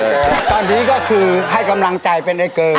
ตอนนี้ก็คือให้กำลังใจเป็นไอเกอร์